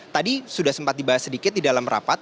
tadi sudah sempat dibahas sedikit di dalam rapat